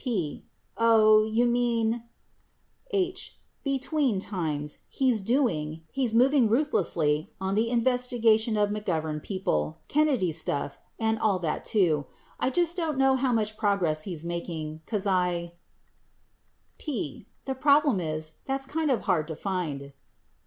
P. Oh. You mean H. Between times, he's doing, he's moving ruthlessly on the investigation of McGovern people , Kennedy stuff , and all that too. I just don't know how much progress he's making, 'cause I P . The problem is that's kind of hard to find.